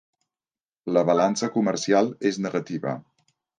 La balança comercial és negativa.